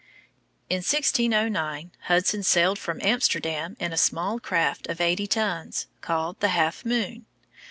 In 1609 Hudson sailed from Amsterdam in a small craft of eighty tons, called the Half Moon.